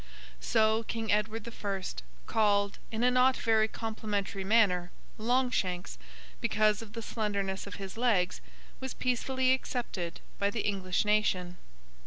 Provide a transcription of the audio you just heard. So King Edward the First, called, in a not very complimentary manner, Longshanks, because of the slenderness of his legs, was peacefully accepted by the English Nation.